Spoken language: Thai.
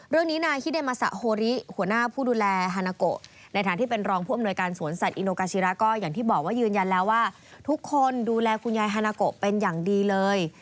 เรื่องนี้นายฮิเดมาสะโฮริหัวหน้าผู้ดูแลฮานาโกะในฐานะที่เป็นรองผู้อำนวยการสวนสัตว์อิโนกาชิระก็อย่างที่บอกว่ายืนยันแล้วว่าทุกคนดูแลคุณยายฮานาโกะเป็นอย่างดีเลย